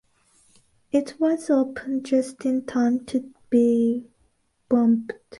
It was opened just in time to be bombed.